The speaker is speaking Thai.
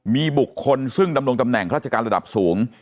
มีบุคคลซึ่งดำรงตำแหน่งราชการระดับสูง